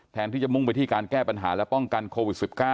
แทนที่จะมุ่งไปที่การแก้ปัญหาและป้องกันโควิด๑๙